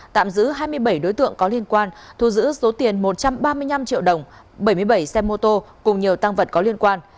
tạm giữ hai mươi bảy đối tượng có liên quan thu giữ số tiền một trăm ba mươi năm triệu đồng bảy mươi bảy xe mô tô cùng nhiều tăng vật có liên quan